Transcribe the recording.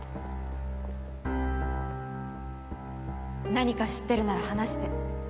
何か知ってるなら話して。